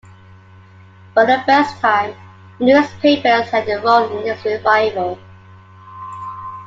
For the first time, the newspapers had a role in this revival.